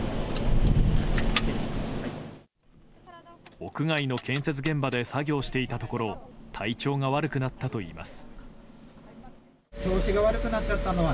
屋外の建設現場で作業していたところ体調が悪くなったといいます。